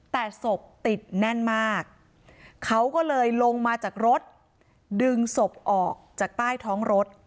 แต่ศพติดแน่นมากเขาก็เลยลงมาจากรถดึงศพออกจากใต้ท้องรถ